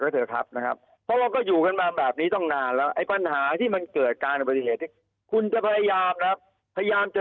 ถ้าคิดแบบที่แล้วคุณถือกับรถวินายร์จาระจร